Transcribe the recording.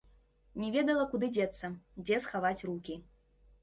Не ведала, куды дзецца, дзе схаваць рукі.